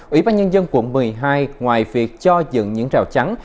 ủy ban nhân dân quận một mươi hai ngoài việc cho dựng những rào chắn